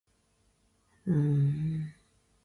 一顆剩一半